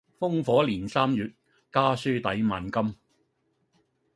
烽火連三月，家書抵萬金。